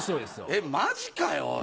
えっマジかよおい。